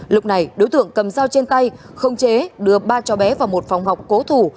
lúc này đối tượng cầm dao trên tay không chế đưa ba cháu bé vào một phòng học cố thủ